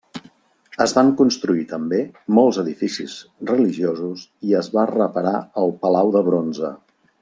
Es van construir també molts edificis religiosos i es va reparar el Palau de Bronze.